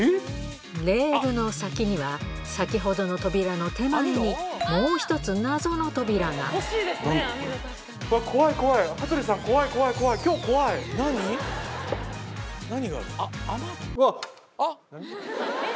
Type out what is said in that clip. レールの先には先ほどの扉の手前にもう１つ何？